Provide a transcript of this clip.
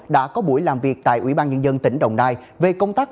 đã có buổi làm việc tại ủy ban nhân dân tỉnh đồng nai về công tác